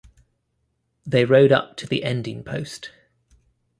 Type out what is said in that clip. They rode up to the ending post.